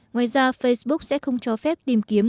ngoài ra facebook sẽ không cho phép tìm kiếm